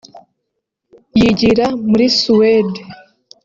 yigira muri Suede